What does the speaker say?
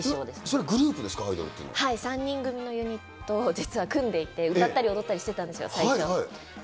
はい、３人組のユニットを実は組んでいて、歌ったり踊ったりしてたんです、最初。